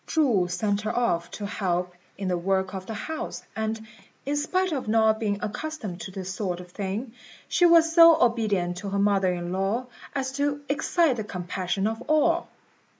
Chu sent her off to help in the work of the house, and, in spite of not being accustomed to this sort of thing, she was so obedient to her mother in law as to excite the compassion of all.